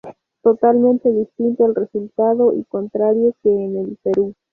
Totalmente distinto el resultado y contrario que en el Perú.